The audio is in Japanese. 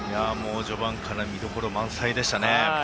序盤から見どころ満載でしたね。